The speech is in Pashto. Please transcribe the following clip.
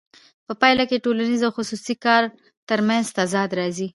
په پایله کې د ټولنیز او خصوصي کار ترمنځ تضاد راځي